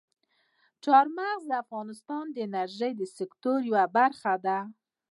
چار مغز د افغانستان د انرژۍ د سکتور یوه برخه ده.